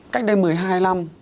cách đây một mươi hai năm